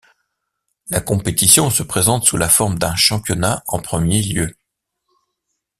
La compétition se présente sous la forme d'un championnat en premier lieu.